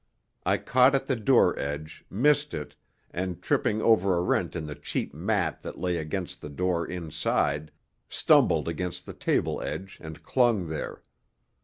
I caught at the door edge, missed it and, tripping over a rent in the cheap mat that lay against the door inside, stumbled against the table edge and clung there.